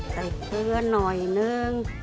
ใส่เครื่องหน่อยหนึ่ง